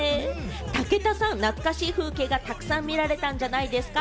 武田さん、懐かしい風景がたくさん見られたんじゃないですか？